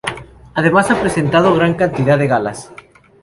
Además ha presentado gran cantidad de galas.